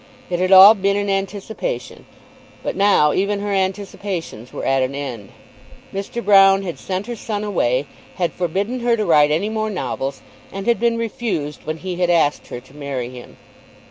It had all been in anticipation, but now even her anticipations were at an end. Mr. Broune had sent her son away, had forbidden her to write any more novels, and had been refused when he had asked her to marry him!